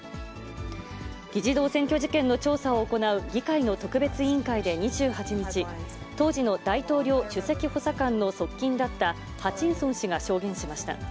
議事堂占拠事件の調査を行う議会の特別委員会で２８日、当時の大統領首席補佐官の側近だったハチンソン氏が証言しました。